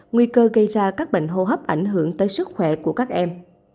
nguy cơ gây ra các bệnh hô hấp ảnh hưởng tới sức khỏe của các em